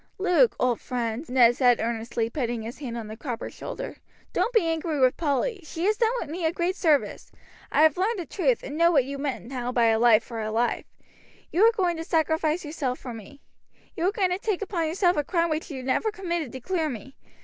"Luke, old friend," Ned said earnestly, putting his hand on the cropper's shoulder, "don't be angry with Polly, she has done me a great service. I have learned the truth, and know what you meant now by a life for a life. You were going to sacrifice yourself for me. You were going to take upon yourself a crime which you never committed to clear me.